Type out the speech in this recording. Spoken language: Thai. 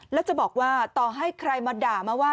แล้วจะบอกว่าต่อให้ใครมาด่ามาว่า